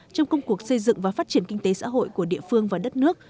trong công cuộc xây dựng và phát triển kinh tế xã hội của địa phương và đất nước